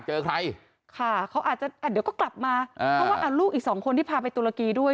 เพราะว่าลูกอีกสองคนที่พาไปตุลกีด้วย